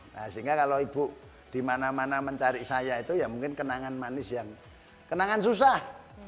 nah sehingga kalau ibu di mana mana mencari saya itu ya mungkin kenangan manis yang kenangan susah